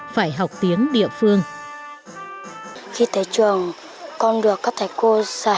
phải học tiếng địa phương